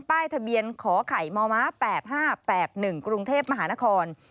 ป้ายทะเบียนขอไข่มม๘๕๘๑กรุงเทพมหานคร